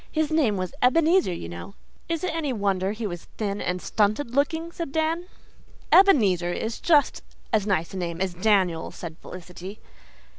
"His name was Ebenezer, you know " "Is it any wonder he was thin and stunted looking?" said Dan. "Ebenezer is just as nice a name as Daniel," said Felicity.